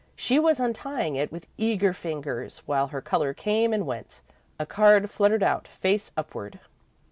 She was untying it with eager fingers, while her colour came and went. A card fluttered out, face upward.